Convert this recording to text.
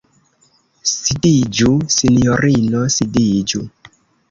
Sidiĝu, sinjorino, sidiĝu!